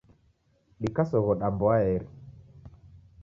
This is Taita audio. Dikasoghoda mboaeri.